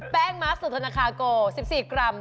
แป้งมาร์คสูตรธนาคาโกล๑๔กรัม